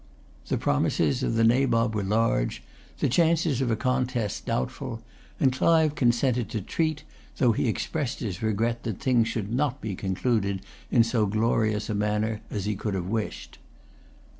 The promises of the Nabob were large, the chances of a contest doubtful; and Clive consented to treat, though he expressed his regret that things should not be concluded in so glorious a manner as he could have wished.